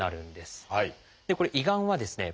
これ胃がんはですね